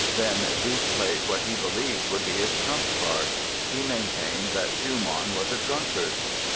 Then Wieck played what he believed would be his trump card. He maintained that Schumann was a drunkard!